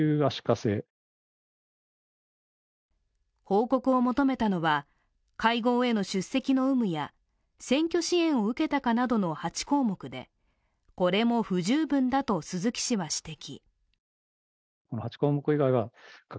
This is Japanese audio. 報告を求めたのは、会合への出席の有無や選挙支援を受けたかなどの８項目でこれも不十分だと鈴木氏は指摘。